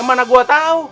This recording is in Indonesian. ya mana gue tau